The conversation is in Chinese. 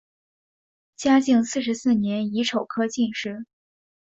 嘉靖四十四年乙丑科进士。